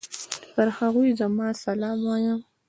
پر هغوی زما سلام وايه!